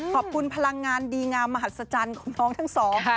พลังงานดีงามมหัศจรรย์ของน้องทั้งสอง